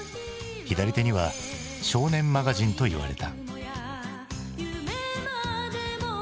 左手には「少年マガジン」といわれた。